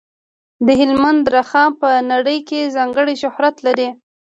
د هلمند رخام په نړۍ کې ځانګړی شهرت لري.